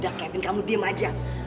udah kevin kamu diam aja